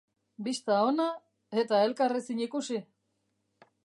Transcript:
Bista ona eta elkar ezin ikusi.